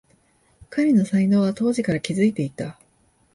彼の才能は当時から気づいていた